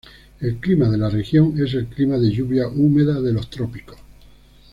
El clima de la región es el clima de lluvia húmeda de los trópicos.